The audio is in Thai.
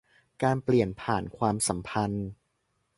การเปลี่ยนผ่านความสัมพันธ์